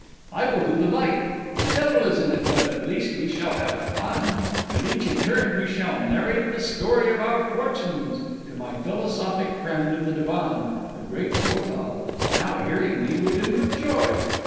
I will do the like; the devil is in it, but at least we shall have fun; and each in turn we shall narrate the story of our fortunes to my philosophic friend of the divan, the great Godall, now hearing me with inward joy.